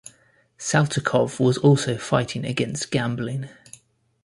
Saltykov was also fighting against gambling.